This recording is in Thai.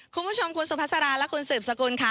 คุณผู้ชมคุณสุภาษาและคุณสืบสกุลค่ะ